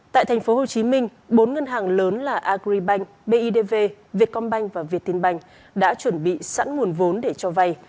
tại tp hcm bốn ngân hàng lớn là agribank bidv vietcombank và vietinbank đã chuẩn bị sẵn nguồn vốn để cho vay